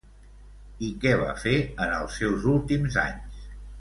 I què va fer en els seus últims anys?